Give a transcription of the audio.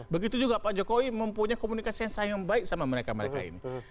begitu juga pak jokowi mempunyai komunikasi yang sangat baik sama mereka mereka ini